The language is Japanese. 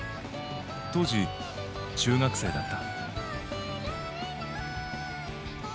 当時中学生だった。